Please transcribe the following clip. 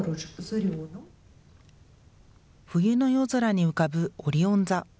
冬の夜空に浮かぶオリオン座。